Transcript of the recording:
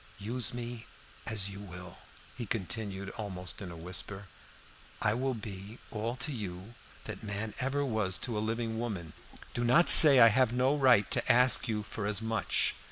"Use me as you will," he continued almost in a whisper. "I will be all to you that man ever was to a living woman. Do not say I have no right to ask you for as much.